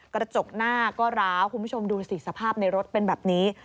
กระจกหน้าก็ร้าวคุณผู้ชมดูสิสภาพในรถเป็นแบบนี้